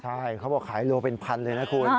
ใช่เขาบอกขายกิโลกรัมเป็น๑๐๐๐เลยนะคุณ